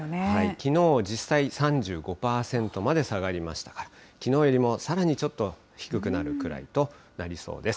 きのう、実際３５％まで下がりましたから、きのうよりもさらにちょっと低くなるくらいとなりそうです。